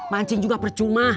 mancing juga percuma